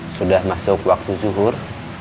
sudah masuk waktu zuhur